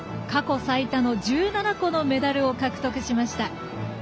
過去最多の１７個のメダルを獲得しました。